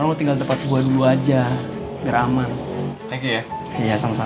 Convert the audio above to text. jadi gue enggak mau lulihkan adik gue